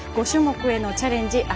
５種目へのチャレンジ